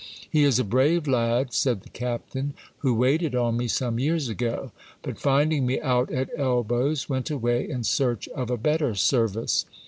He is a brave lad, said the captain, who waited on me some years ago, but finding me out at elbows, went away in search of a better service.